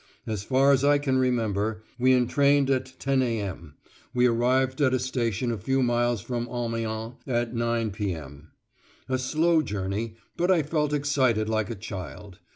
As far as I can remember, we entrained at 10.0 a.m.; we arrived at a station a few miles from Amiens at 9.0 p.m. A slow journey, but I felt excited like a child.